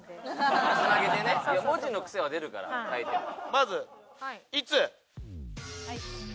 まず「いつ」。